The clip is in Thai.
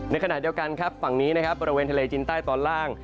ขณะเดียวกันครับฝั่งนี้นะครับบริเวณทะเลจินใต้ตอนล่าง